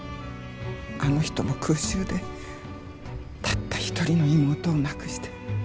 あの人も空襲でたった一人の妹を亡くして。